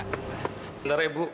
bentar ya ibu